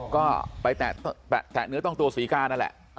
ก็ไปแตะเนื้อต้องตัวศรีกานั่นแหละ